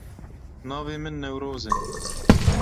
Navê min Newroz e.